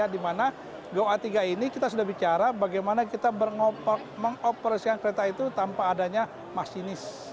di mana goa tiga ini kita sudah bicara bagaimana kita mengoperasikan kereta itu tanpa adanya masinis